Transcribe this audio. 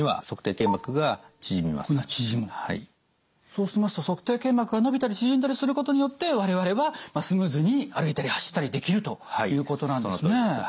そうしますと足底腱膜が伸びたり縮んだりすることによって我々はスムーズに歩いたり走ったりできるということなんですね。